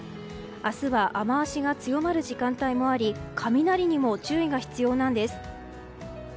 明日は雨脚が強まる時間帯もあり雷にも注意が必要なんです。